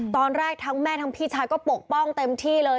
ตอนแรกทั้งแม่ทั้งพี่ชายก็ปกป้องเต็มที่เลย